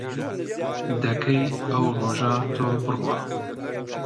دەکەی ئەو ڕۆژە تۆ بڕوا